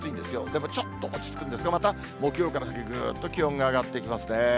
でもちょっと落ち着くんですが、また木曜から先、ぐーっと気温が上がっていきますね。